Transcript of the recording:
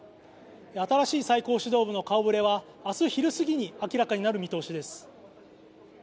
新しい最高指導部の顔ぶれは明日昼過ぎに明らかになる見通しです。